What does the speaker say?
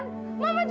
you kayak begini